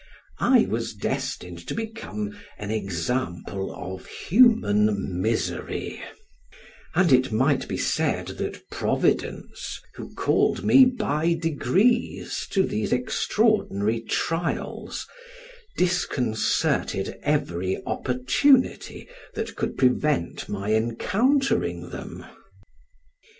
I was destined to become an example of human misery; and it might be said that Providence, who called me by degrees to these extraordinary trials, disconcerted every opportunity that could prevent my encountering them.